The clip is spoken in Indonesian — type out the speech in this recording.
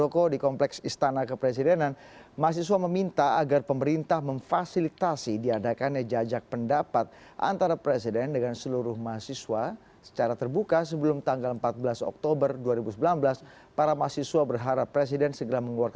hari ini kami nyatakan masih tidak percaya kepada